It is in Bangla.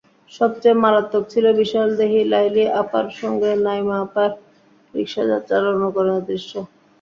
সবচেয়ে মারাত্মক ছিল বিশালদেহী লাইলি আপার সঙ্গে নাঈমা আপার রিকশাযাত্রার অনুকরণের দৃশ্যটি।